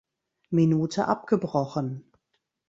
Minute abgebrochen.